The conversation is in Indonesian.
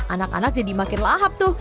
anak anak jadi makin lahap tuh